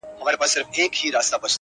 کندهار دی، که کجرات دی، که اعجاز دی,